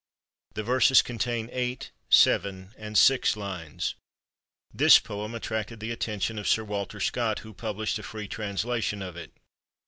The verses contain eight, seven, and six lines. This poem attracted the attention of Sir Walter Scott, who published a free translation of it.